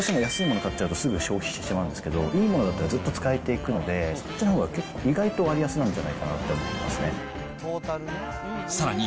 どうしても安いもの買っちゃうと、すぐ消費してしまうんですけど、いいものを買うと、ずっと使えていくので、そっちのほうが意外と割安なんじゃないかなと思いますね。